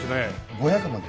５００まで。